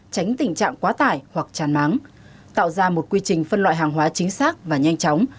tránh tình trạng quá tải hoặc tràn máng tạo ra một quy trình phân loại hàng hóa chính xác và nhanh chóng